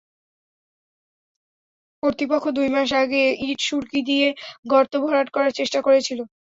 কর্তৃপক্ষ দুই মাস আগে ইট-সুরকি দিয়ে গর্ত ভরাট করার চেষ্টা করেছিল।